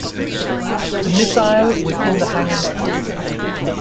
The missile was in the hangar.